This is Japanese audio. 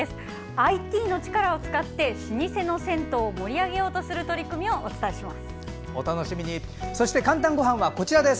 ＩＴの力を使って老舗の銭湯を盛り上げようとする取り組みをお伝えします。